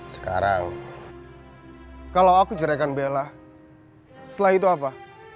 sekarang kalau aku cerai dengan bella setelah itu apa